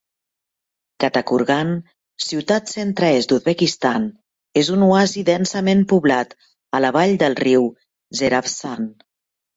Kattakurgan, ciutat, centre-est d'Uzbekistan, en un oasi densament poblat a la vall del riu Zeravsan.